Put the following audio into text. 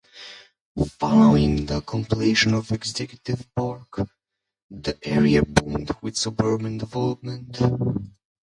Following the completion of Executive Park, the area boomed with suburban development.